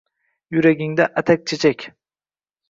Yurganingda atak-chechak